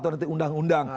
atau nanti undang undang